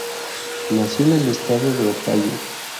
Nació en el estado de Ohio.